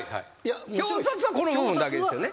表札はこの部分だけですよね？